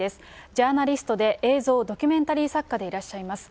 ジャーナリストで、映像、ドキュメンタリー作家でいらっしゃいます。